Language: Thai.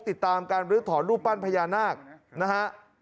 ติดตามการลื้อถอนรูปปั้นพญานาคนะฮะ